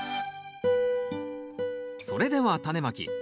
それではタネまき。